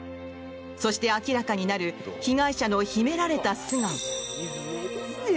そして明らかになる被害者の秘められた素顔。